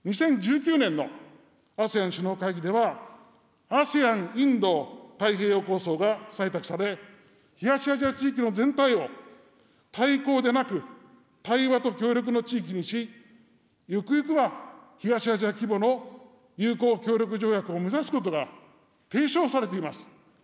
２０１９年のＡＳＥＡＮ首脳会議では、ＡＳＥＡＮインド太平洋構想が採択され、東アジア地域の全体を対抗でなく対話と協力の地域にし、ゆくゆくは東アジア規模の友好協力条約を目指すことが提唱されています。